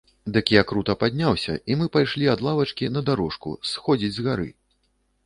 Дык я крута падняўся, і мы пайшлі ад лавачкі на дарожку, сходзіць з гары.